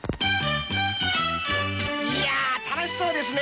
いやあ楽しそうですね